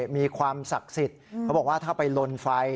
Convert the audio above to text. มีความศักดิ์สิทธิ์เขาบอกว่าถ้าไปลนไฟ